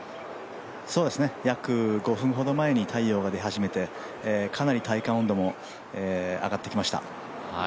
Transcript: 約５分ほど前に太陽が出始めてかなり体感温度も上がってきました。